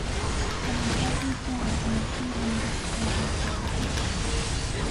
An important tool in achieving this goal is forecasting.